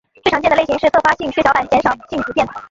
最常见的类型是特发性血小板减少性紫癜。